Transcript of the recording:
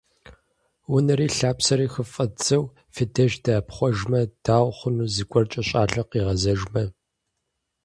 Унэри лъапсэри хыфӀэддзэу, фи деж дынэӀэпхъуэжмэ, дауэ хъуну зыгуэркӀэ щӀалэм къигъэзэжмэ?